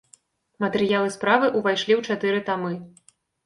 Матэрыялы справы ўвайшлі ў чатыры тамы.